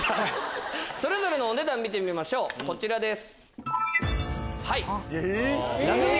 それぞれのお値段見ましょうこちらです。